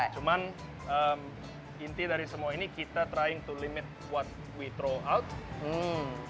cuman inti dari semua ini kita mencoba untuk mengatur apa yang kita keluarkan